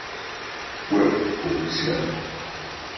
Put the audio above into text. Web Oficial